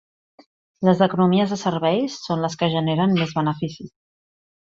Les economies de serveis són les que generen més beneficis.